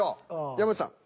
山内さん。